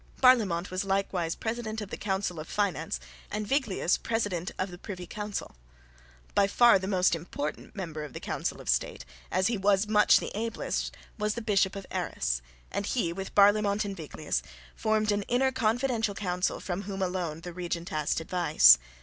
Barlaymont was likewise president of the Council of Finance and Viglius president of the Privy Council. By far the most important member of the Council of State, as he was much the ablest, was the Bishop of Arras; and he, with Barlaymont and Viglius, formed an inner confidential council from whom alone the regent asked advice.